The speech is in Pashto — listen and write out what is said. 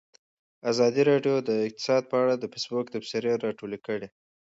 ازادي راډیو د اقتصاد په اړه د فیسبوک تبصرې راټولې کړي.